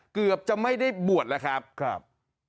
เกือบจะไม่ได้บวชแล้วครับ